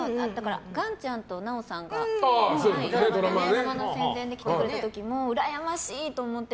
岩ちゃんと奈緒さんがドラマの宣伝で来てくれた時もうらやましい！って思って。